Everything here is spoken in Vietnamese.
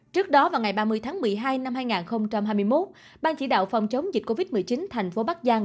trước đó vào ngày ba mươi tháng một mươi hai năm hai nghìn hai mươi một ban chỉ đạo phòng chống dịch covid một mươi chín thành phố bắc giang